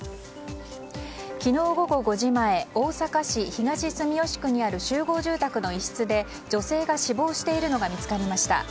昨日午後５時前大阪市東住吉区にある集合住宅の一室で、女性が死亡しているのが見つかりました。